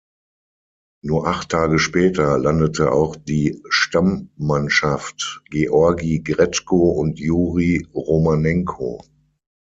Nur acht Tage später landete auch die Stammmannschaft Georgi Gretschko und Juri Romanenko.